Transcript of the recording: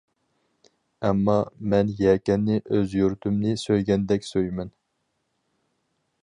ئەمما، مەن يەكەننى ئۆز يۇرتۇمنى سۆيگەندەك سۆيىمەن.